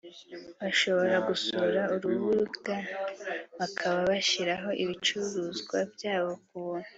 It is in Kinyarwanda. bashobora gusura urubuga bakaba bashyiraho ibicuruzwa byabo ku buntu